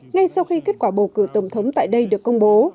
ngay sau khi kết quả bầu cử tổng thống tại đây được công bố